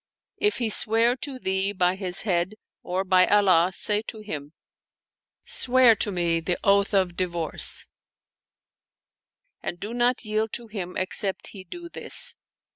If he swear to thee by his head or by Allah, say to him: Swear to me the oath of divorce and do not yield to him except he do this.